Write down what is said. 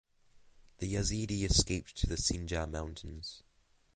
The Yazidi escaped to the Sinjar Mountains.